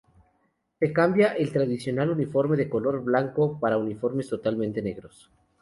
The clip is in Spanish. Se cambia el tradicional uniforme de color blanco, para uniformes totalmente negros.